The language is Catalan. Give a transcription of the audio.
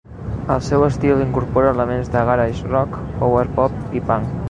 El seu estil incorpora elements de garage rock, power-pop i punk.